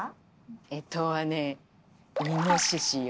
干支はねイノシシよ。